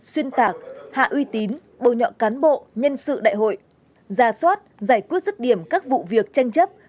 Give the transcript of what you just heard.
xuyên tạc hạ uy tín bồi nhọ cán bộ nhân sự đại hội ra soát giải quyết rứt điểm các vụ việc tranh chấp